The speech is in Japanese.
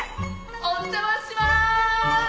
お邪魔します！